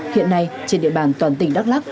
hiện nay trên địa bàn toàn tỉnh đắk lắk